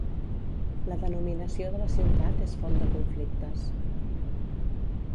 La denominació de la ciutat és font de conflictes.